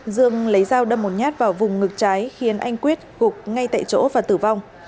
dương lấy dao đâm một nhát vào vùng ngực trái khiến anh quyết gục ngay tại chỗ và tử vong